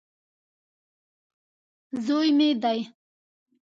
زوی مې دی.